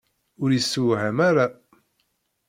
Ur yessewham ara!